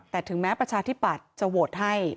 แต่ถึงแม้ประชาธิปัตย์จะโหวตให้